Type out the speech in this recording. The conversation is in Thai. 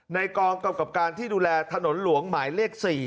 ในกรเกี่ยวกับการที่ดูแลถนนหลวงหมายเลข๔